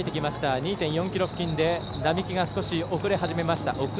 ２．４ｋｍ付近で並木が少し遅れ始めました。